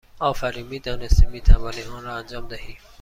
آفرین! می دانستیم می توانی آن را انجام دهی!